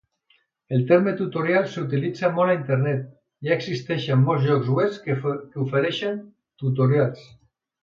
El terme Tutorial s'utilitza molt a Internet, ja existeixen molts llocs web que ofereixen tutorials.